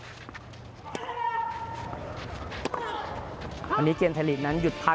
วันนี้เกมไทยลีกนั้นหยุดพัก